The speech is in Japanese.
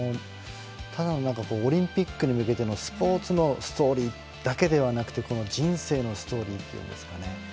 ただのオリンピックに向けてのスポーツのストーリーだけではなくて人生のストーリーというんですかね。